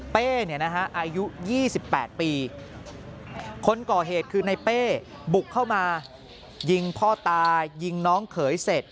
เป้เนี่ยนะฮะอายุ๒๘ปีคนก่อเหตุคือในเป้บุกเข้ามายิงพ่อตายิงน้องเขยเสร็จ